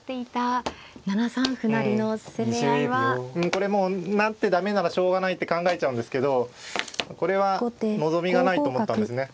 これもう成って駄目ならしょうがないって考えちゃうんですけどこれは望みがないと思ったんですね。